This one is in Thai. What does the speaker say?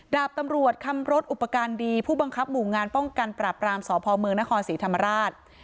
ดาบตำรวจคำรถอุปการณ์ดีผู้บังคับหมู่งานป้องกันปราบรามสพเมืองนครศรีธรรมราช